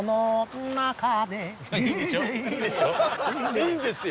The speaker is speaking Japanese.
いいんですよ。